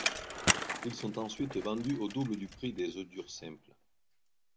Ils sont ensuite vendus au double du prix des œufs durs simples.